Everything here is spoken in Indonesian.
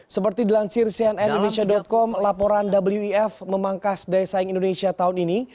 seperti dilansir cnn indonesia com laporan wf memangkas daya saing indonesia tahun ini